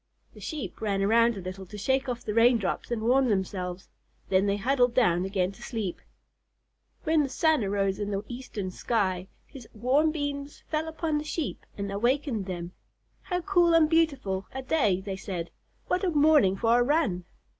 The Sheep ran around a little to shake off the rain drops and warm themselves, then they huddled down again to sleep. When the sun arose in the eastern sky, his warm beams fell upon the Sheep and awakened them. "How cool and beautiful a day," they said. "What a morning for a run!"